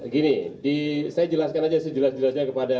gini saya jelaskan aja sejelas jelas nya kepada